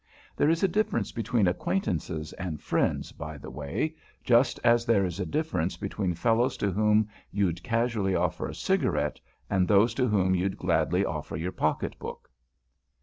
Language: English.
There is a difference between acquaintances and friends, by the way, just as there is a difference between fellows to whom you'd casually offer a cigarette and those to whom you'd gladly offer your pocket book.